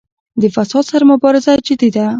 د فساد سره مبارزه جدي ده؟